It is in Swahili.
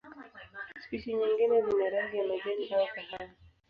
Spishi nyingine zina rangi ya majani au kahawa.